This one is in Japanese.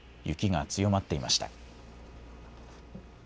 雪が強まっていました。